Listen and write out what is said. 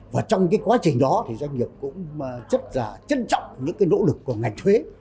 và trong quá trình đó thì doanh nghiệp cũng rất trân trọng những nỗ lực của ngành thuế